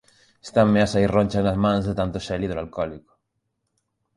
Estanme a saír ronchas nas mans de tanto xel hidroalcohólico